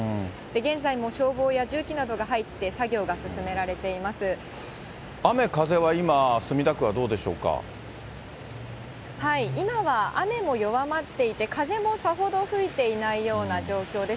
現在も消防や重機などが入って、雨風は今、墨田区はどうでし今は雨も弱まっていて、風もさほど吹いていないような状況です。